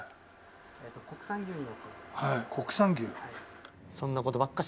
国産牛。